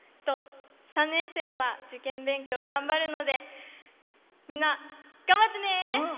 ３年生は受験勉強頑張るので皆、頑張ってね！